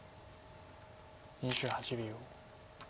２８秒。